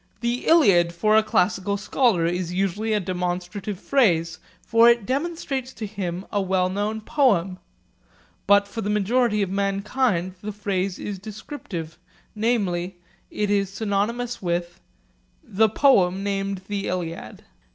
'The Iliad' for a classical scholar is usually a demonstrative phrase; for it demonstrates to him a well known poem. But for the majority of mankind the phrase is descriptive, namely, it is synonymous with 'The poem named "the Iliad".'